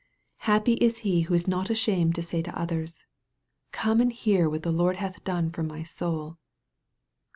Happy is he who is not ashamed to say to others, " Come and hear what the Lord hath done for my soul."